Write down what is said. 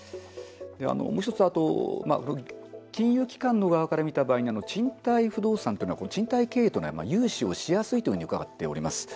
もう１つ金融機関の側から見た場合に賃貸不動産というのは賃貸経営には融資をしやすいというふうに伺っております。